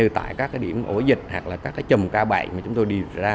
tại các điểm ổ dịch hoặc là các chùm ca bệnh mà chúng tôi đi ra